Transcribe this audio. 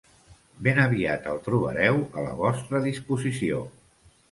Ben aviat el trobareu a la vostra disposició.